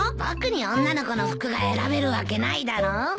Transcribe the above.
僕に女の子の服が選べるわけないだろ。